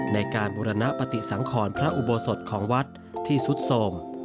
ในการบุรณปฏิสังขรพระอุโบสถของวัดที่สุดโสม